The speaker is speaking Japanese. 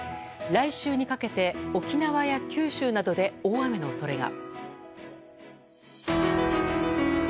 来週にかけて沖縄や九州などで大雨の恐れが。